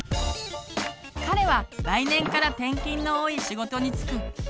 彼は来年から転勤の多い仕事に就く。